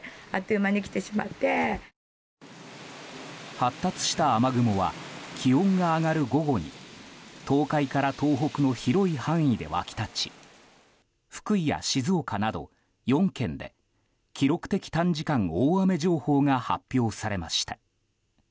発達した雨雲は気温が上がる午後に東海から東北の広い範囲で湧き立ち福井や静岡など４県で記録的短時間大雨情報が発表されました。